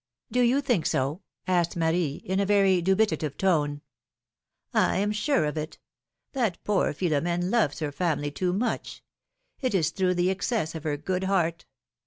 Do you think so ?" asked Marie, in a very dubitative tone. am sure of it. That poor Philomene loves her family too much ! It is through the excess of her good heart.